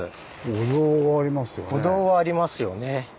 お堂はありますよね。